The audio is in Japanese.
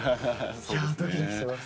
いやドキドキします。